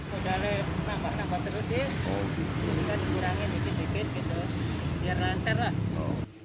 ya makanya modalnya nampak nampak terus ya jadi kan dikurangin sedikit sedikit gitu biar lancar lah